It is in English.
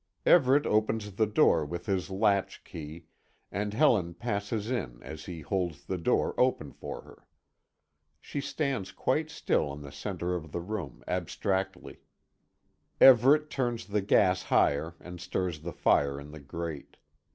Everet opens the door with his latch key, and Helen passes in as he holds the door open for her. She stands quite still in the centre of the room, abstractedly. Everet turns the gas higher and stirs the fire in the grate.